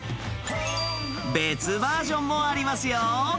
別バージョンもありますよ。